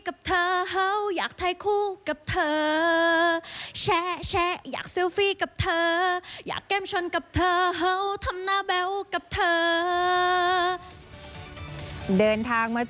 กับสองขนักกะก่อนภาพไปวะเว้มันสนัดหน้าสำหรับนักอาธิบาท